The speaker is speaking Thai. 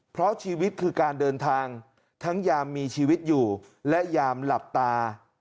เพราะชีวิตคือการเดินทางทั้งยามมีชีวิตอยู่และยามหลับตา